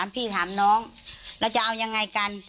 พี่ถามน้องแล้วจะเอายังไงกัน